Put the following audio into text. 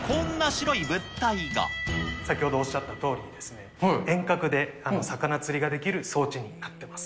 先ほどおっしゃったとおりですね、遠隔で魚釣りができる装置になってます。